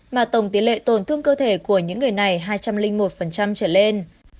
mà tổng tỷ lệ tổn thương cơ thể của những người này hai trăm linh một trở lên